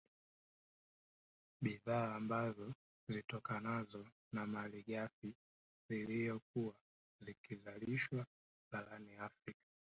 Bidhaa ambazo zitokanazo na malighafi ziliyokuwa zikizalishwa barani Afrika